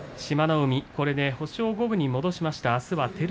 海はこれで星を五分に戻しました。